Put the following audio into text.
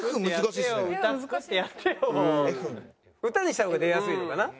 歌にした方が出やすいのかな？